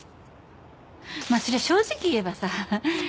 まあそりゃ正直言えばさ